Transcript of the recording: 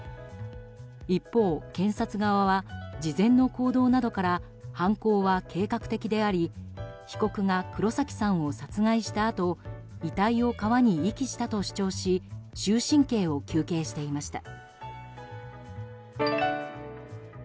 一方、検察側は事前の行動などから犯行は計画的であり被告が黒崎さんを殺害したあと遺体を川に遺棄したと主張し終身刑を求刑していました。